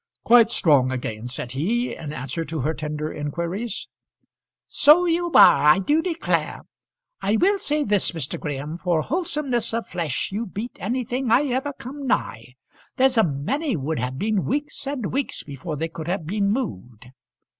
"Quite strong again," said he, in answer to her tender inquiries. "So you are, I do declare. I will say this, Mr. Graham, for wholesomeness of flesh you beat anything I ever come nigh. There's a many would have been weeks and weeks before they could have been moved."